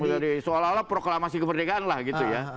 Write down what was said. oh jadi seolah olah proklamasi kemerdekaan lah gitu ya